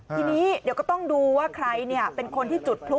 ทีนี้เดี๋ยวก็ต้องดูว่าใครเป็นคนที่จุดพลุ